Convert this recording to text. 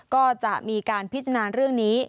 ก็จะมีการพิจารณาเรื่องนี้